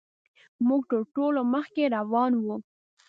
موږ تر ټولو مخکې روان وو.